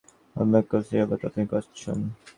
তস্মিঁল্লোকা শ্রিতা সর্বে তদু নাত্যেতি কশ্চন।